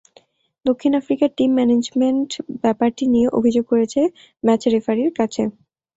দক্ষিণ আফ্রিকার team management ব্যাপারটি নিয়ে অভিযোগ করেছে ম্যাচ রেফারির কাছে।